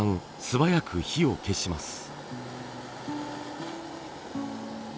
素早く火を消します。